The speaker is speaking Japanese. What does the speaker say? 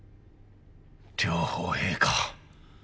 両方閉か。